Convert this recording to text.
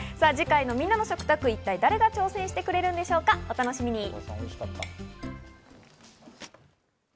次回のみんなの食卓、一体誰が挑戦してくれるんでしょうか、お楽しみに。